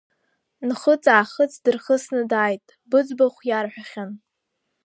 Нхыҵ-аахыҵ дырхысны дааит, быӡбахә иарҳәахьан…